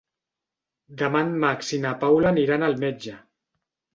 Demà en Max i na Paula aniran al metge.